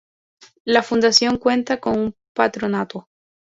La Fundación cuenta con un patronato.